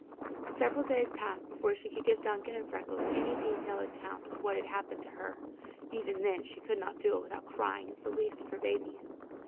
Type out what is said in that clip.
Several days passed before she could give Duncan and Freckles any detailed account of what had happened to her, even then she could not do it without crying as the least of her babies.